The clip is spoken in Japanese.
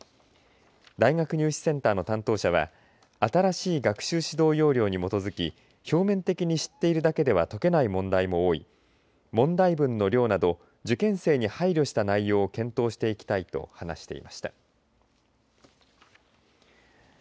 大学入試センターの担当者は新しい学習指導要領に基づき表面的に知っているだけだと解けない問題も多い問題文の量など受験生に配慮した内容を検討していきたいと話してました。